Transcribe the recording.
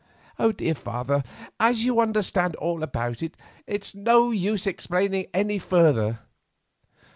"Well, father, as you understand all about it, it is no use my explaining any further.